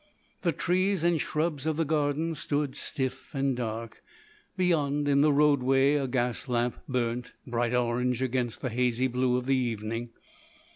The trees and shrubs of the garden stood stiff and dark; beyond in the roadway a gas lamp burnt, bright orange against the hazy blue of the evening.